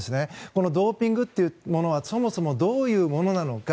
このドーピングというものはそもそもどういうものなのか。